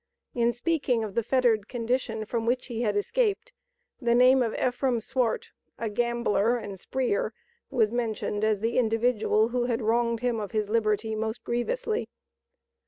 In speaking of the fettered condition from which he had escaped, the name of Ephraim Swart, "a gambler and spree'r" was mentioned as the individual who had wronged him of his liberty most grievously.